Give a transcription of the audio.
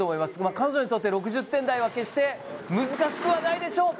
彼女にとって６０点台は決して難しくはないでしょう。